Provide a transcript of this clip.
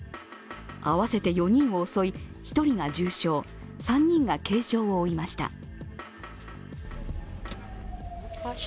合わせて４人を襲い１人が重傷、３人が軽傷を負いました。